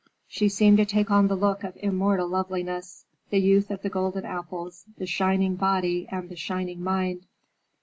She seemed to take on the look of immortal loveliness, the youth of the golden apples, the shining body and the shining mind.